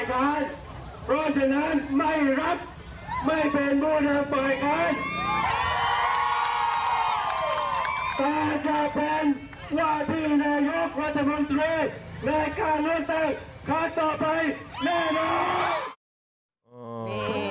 ในการเลือกแต่ค้าต่อไปแน่นอน